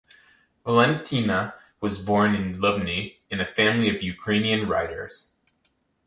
Valentyna was born in Lubny in family of Ukrainian writers.